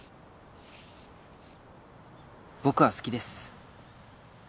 僕は好きです